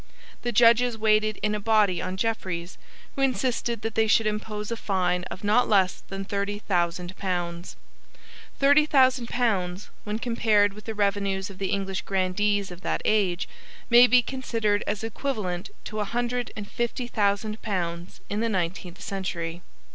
The judges waited in a body on Jeffreys, who insisted that they should impose a fine of not less than thirty thousand pounds. Thirty thousand pounds, when compared with the revenues of the English grandees of that age, may be considered as equivalent to a hundred and fifty thousand pounds in the nineteenth century.